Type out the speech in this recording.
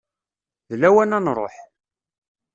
D lawan ad nruḥ.